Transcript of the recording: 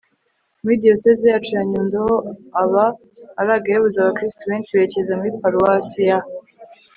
muri diyosezi yacu ya nyundo ho aba ari agahebuzo abakristu benshi berekeza muri paruwasi ya